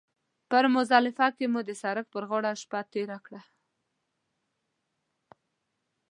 په مزدلفه کې مو د سړک پر غاړه شپه تېره کړه.